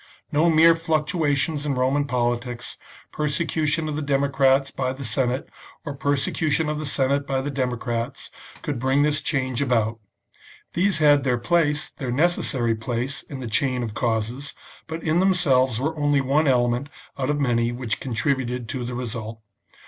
No mere fluctuations in Roman politics, per secution of the democrats by the Senate, or persecu XVI INTRODUCTION TO THE tion of the Senate by the democrats, could bring this change about. These had their place, their necessary place, in the chain of causes, but in themselves were only one element out of many which contributed to the result.